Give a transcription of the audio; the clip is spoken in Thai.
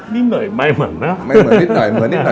นิดหน่อยไม่เหมือนนะ